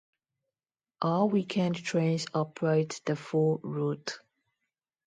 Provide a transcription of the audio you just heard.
All weekend trains operate the full route.